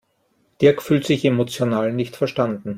Dirk fühlt sich emotional nicht verstanden.